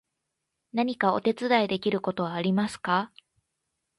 何かお手伝いできることはありますか？